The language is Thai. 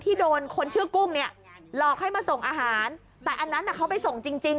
โดนคนชื่อกุ้งเนี่ยหลอกให้มาส่งอาหารแต่อันนั้นเขาไปส่งจริงจริง